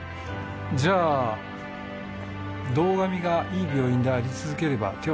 じゃあ堂上がいい病院であり続ければ手は出さないと。